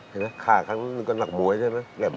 เห็นมั้ยขาข้างนู้นกับหนักบวยใช่มั้ย